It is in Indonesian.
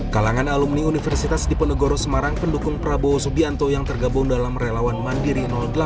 kalangan alumni universitas diponegoro semarang pendukung prabowo subianto yang tergabung dalam relawan mandiri delapan